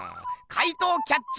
怪盗キャッチュ